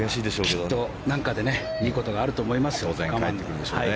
きっと何かでいいことがあると思いますよ。